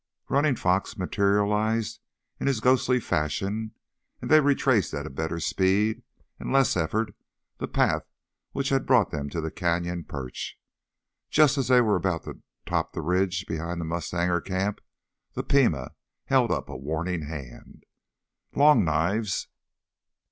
Running Fox materialized in his ghostly fashion, and they retraced at a better speed and less effort the path which had brought them to the canyon perch. Just as they were about to top the ridge behind the mustanger camp, the Pima held up a warning hand. "Long knives...."